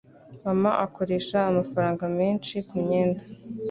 Mama akoresha amafaranga menshi kumyenda.